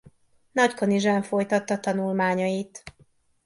Nagykanizsán folytatta tanulmányait.